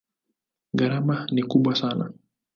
Gharama ni kubwa sana.